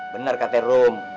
bener kata rum